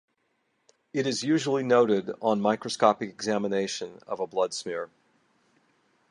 It is usually noted on microscopic examination of a blood smear.